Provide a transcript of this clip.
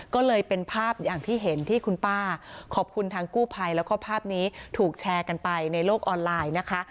ก็เลยเป็นภาพอย่างที่เห็นที่คุณป้าขอบคุณทางกู้ภัยแล้วก็ภาพนี้ถูกแชร์กันไปในโลกออนไลน์นะคะ